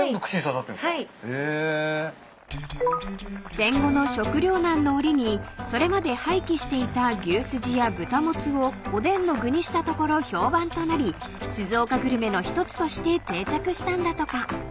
［戦後の食糧難の折にそれまで廃棄していた牛すじや豚もつをおでんの具にしたところ評判となり静岡グルメの一つとして定着したんだとか］